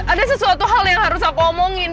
ada sesuatu hal yang harus aku omongin